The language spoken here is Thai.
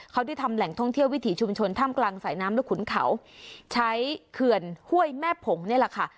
เขาได้ทำแหล่งท่องเที่ยววิถีชุมชนถ้ำกลางสายน้ำและขุนเขาใช้เขื่อนห้วยแม่ผงนี่แหละค่ะ